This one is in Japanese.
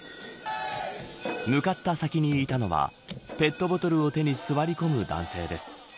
向かった先にいたのはペットボトルを手に座り込む男性です。